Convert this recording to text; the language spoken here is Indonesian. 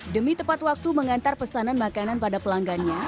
demi tepat waktu mengantar pesanan makanan pada pelanggannya